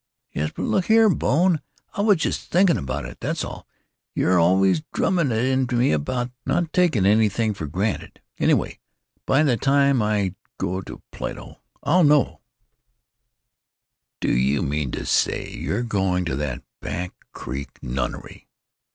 "Yes, but look here, Bone; I was just thinking about it, that's all. You're always drumming it into me about not taking anything for granted. Anyway, by the time I go to Plato I'll know——" "D'you mean to say you're going to that back creek nunnery?